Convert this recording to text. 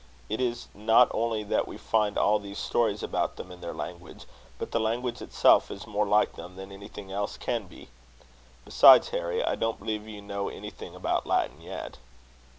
It is not only that we find all these stories about them in their language, but the language itself is more like them than anything else can be. Besides, Harry, I don't believe you know anything about Latin yet."